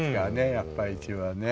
やっぱり市場はね。